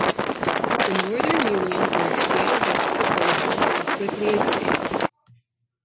The Northern Union were excited by this proposal and quickly agreed.